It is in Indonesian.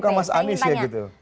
oh ada muka mas anies ya gitu